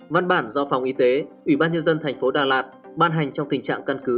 văn bản do phòng y tế ủy ban nhân dân thành phố đà lạt ban hành trong tình trạng căn cứ